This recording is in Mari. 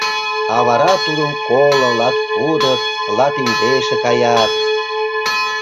А вара тудын коло, латкудыт, латиндеше каят...